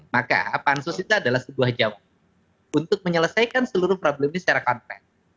maka pansus itu adalah sebuah jawaban untuk menyelesaikan seluruh problem ini secara konferensi